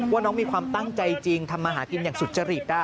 ว่าน้องมีความตั้งใจจริงทำมาหากินอย่างสุจริต